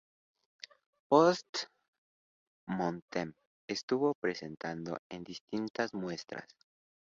Post mortem estuvo representado en distintas muestras.